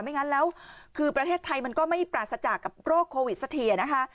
ไม่งั้นแล้วคือประเทศไทยมันก็ไม่ปราสจากกับโรคโควิดไทยสัก